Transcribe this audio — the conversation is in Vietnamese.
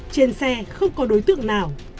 trên xe không có đối tượng nào